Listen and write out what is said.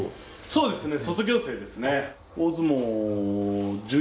そうですね